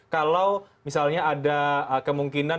kalau misalnya ada kemungkinan